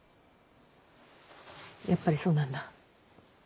やっぱりそうなんだ。